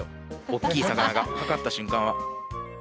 おっきい魚がかかった瞬間は。